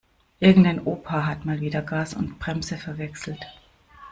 Irgendein Opa hat mal wieder Gas und Bremse verwechselt.